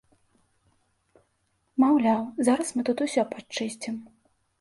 Маўляў, зараз мы тут усё падчысцім.